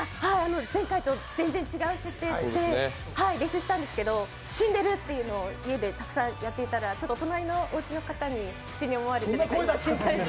前回と全然違う設定で練習したんですけど「死んでる」っていうのを家でたくさんやっていたら、ちょっと隣のおうちの方に不思議に思われて。